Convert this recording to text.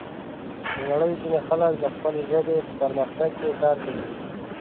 د نړۍ ځینې خلک د خپلې ژبې په پرمختګ کې کار کوي.